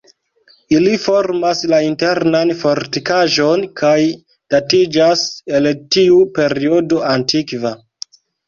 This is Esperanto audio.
Ili formas la internan fortikaĵon, kaj datiĝas el tiu periodo antikva.